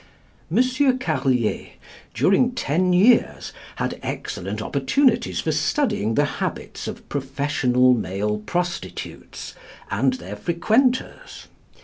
M. Carlier, during ten years, had excellent opportunities for studying the habits of professional male prostitutes and their frequenters.